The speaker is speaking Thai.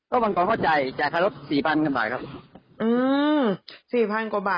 ก็บางคนเข้าใจจ่ายค่ารถ๔๐๐กว่าบาทครับ